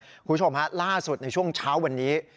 คุณผู้ชมฮะล่าสุดในช่วงเช้าวันนี้